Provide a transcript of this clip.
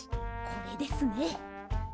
これですね。